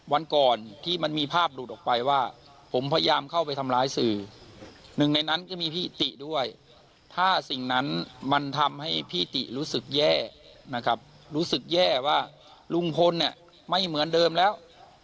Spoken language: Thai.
วันก่อนที่มันมีภาพหลุดออกไปว่าผมพยายามเข้าไปทำร้ายสื่อหนึ่งในนั้นก็มีพี่ติด้วยถ้าสิ่งนั้นมันทำให้พี่ติรู้สึกแย่นะครับรู้สึกแย่ว่าลุงพลเนี่ยไม่เหมือนเดิมแล้ว